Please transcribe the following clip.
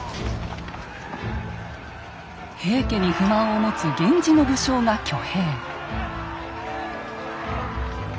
平家に不満を持つ源氏の武将が挙兵。